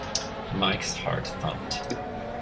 Mike's heart thumped.